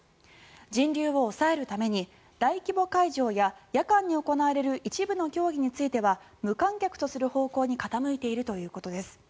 人流を抑えるために大規模会場や夜間に行われる一部の競技については無観客とする方向に傾いているということです。